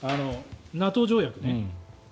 ＮＡＴＯ条約ね。